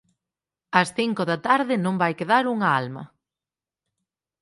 Ás cinco da tarde non vai quedar unha alma.